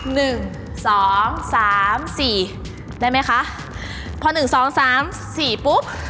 หนึ่งสองสามสี่ได้ไหมคะพอหนึ่งสองสามสี่ปุ๊บ